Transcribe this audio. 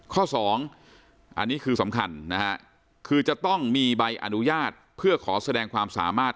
สองอันนี้คือสำคัญนะฮะคือจะต้องมีใบอนุญาตเพื่อขอแสดงความสามารถ